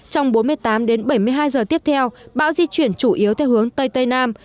trong bốn mươi tám đến bảy mươi hai giờ tiếp theo bão di chuyển chủ yếu theo hướng tây tây nam